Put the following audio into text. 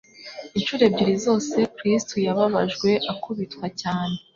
Inshuro ebyiri zose Kristo yababajwe akubitwa cyane.